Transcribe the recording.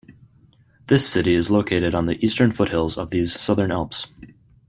This city is located on the eastern foothills of these Southern Alps.